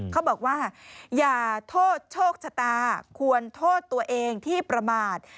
เขาบอกว่าอย่าโทษโชคชะตาควรโทษตัวเองที่ประมาท